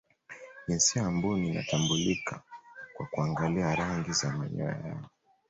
jinsia ya mbuni inatambulika kwa kuangalia rangi za manyoya yao